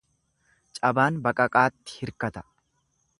Cabaan baqaqaatti hirkata.